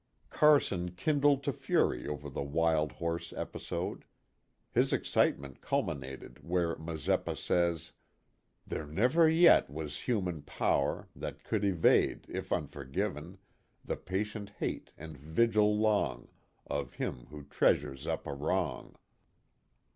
Carson kindled to fury over the wild horse episode. His excitement culminated where Mazeppa says :" There never yet was human power That could evade if unforgiven The patient hate, and vigil long Of him who treasures up a wrong."